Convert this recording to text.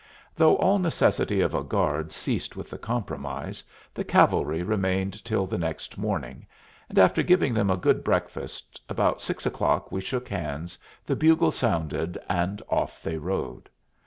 Though all necessity of a guard ceased with the compromise, the cavalry remained till the next morning, and, after giving them a good breakfast, about six o'clock we shook hands, the bugle sounded, and off they rode.